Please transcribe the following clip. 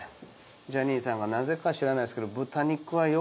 ジャニーさんがなぜか知らないですけど。